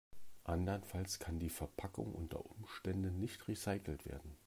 Andernfalls kann die Verpackung unter Umständen nicht recycelt werden.